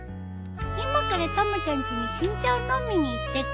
今からたまちゃんちに新茶を飲みに行ってくるよ。